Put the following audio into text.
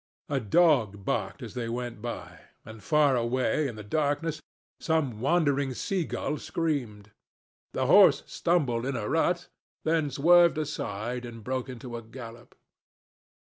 A dog barked as they went by, and far away in the darkness some wandering sea gull screamed. The horse stumbled in a rut, then swerved aside and broke into a gallop.